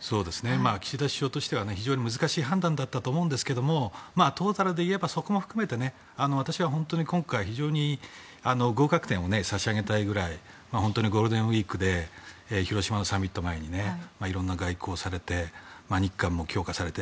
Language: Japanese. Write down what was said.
岸田首相としては非常に難しい判断だったと思うんですがトータルで言えばそこも含めて私は今回非常に合格点を差し上げたいくらい本当にゴールデンウィークで広島のサミット前に色んな外交をされて日韓も強化されて。